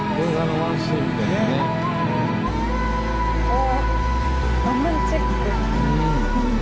お！